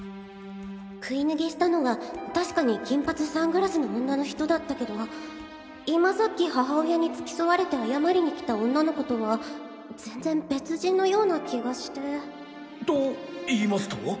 食い逃げしたのは確かに金髪サングラスの女の人だったけど今さっき母親に付き添われて謝りに来た女の子とは全然別人のような気がしてと言いますと？